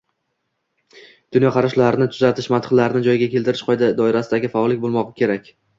dunyoqarashlarni tuzatish, mantiqlarni joyiga keltirish doirasidagi faollik bo‘lmog‘i kerak.